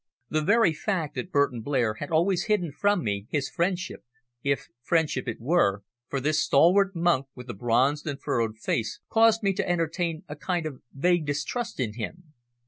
The very fact that Burton Blair had always hidden from me his friendship if friendship it were for this stalwart monk with the bronzed and furrowed face, caused me to entertain a kind of vague distrust in him.